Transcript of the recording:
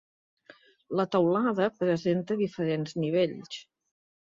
La teulada presenta diferents nivells.